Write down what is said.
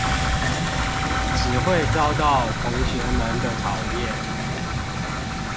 只會遭到同學們的討厭